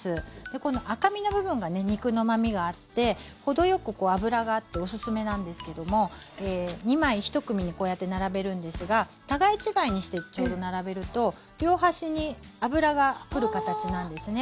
この赤身の部分がね肉のうまみがあって程よくここ脂があっておすすめなんですけども２枚１組にこうやって並べるんですが互い違いにしてちょうど並べると両端に脂がくる形なんですね。